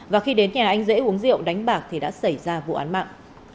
và khi đến nhà anh dễ uống rượu đánh bạc thì đã xảy ra vụ án mạng